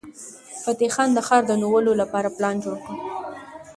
فتح خان د ښار د نیولو لپاره پلان جوړ کړ.